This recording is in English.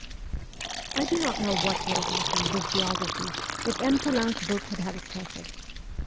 I do not know what would have happened with geography if M. Poulain's book had had a preface.